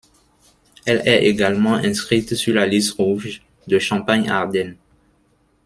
Elle est également inscrite sur la liste rouge de Champagne-Ardenne.